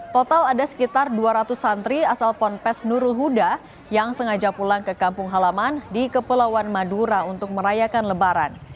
total ada sekitar dua ratus santri asal ponpes nurul huda yang sengaja pulang ke kampung halaman di kepulauan madura untuk merayakan lebaran